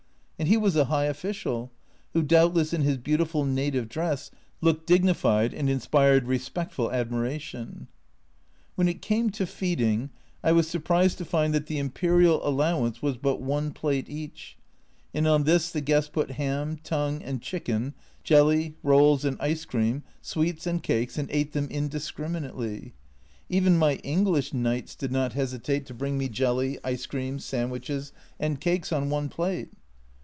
And he was a high official, who doubtless in his beautiful native dress looked dignified and inspired respectful admiration. When it came to feeding I was surprised to find that the Imperial allowance was but one plate each, and on this the guests put ham, tongue, and chicken, jelly, rolls, and ice cream, sweets and cakes, and ate them indiscriminately ; even my English knights did not hesitate to bring me jelly, ice cream, sandwiches and cakes on one plate.